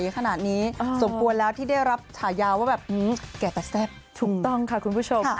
ก็ดีใจครับแอบเขินด้วย